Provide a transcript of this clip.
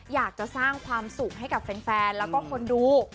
อยากจะสร้างความสุขให้กับแฟนแล้วก็คนดู